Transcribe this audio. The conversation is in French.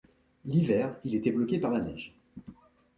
L'hiver, il était bloqué par la neige.